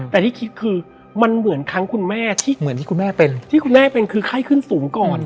แต่ที่คิดคือมันเหมือนครั้งคุณแม่ที่เหมือนที่คุณแม่เป็นที่คุณแม่เป็นคือไข้ขึ้นสูงก่อน